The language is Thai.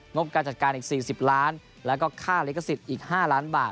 งบการจัดการ๔๐ล้านและค่าเล็กสิต๕ล้านบาท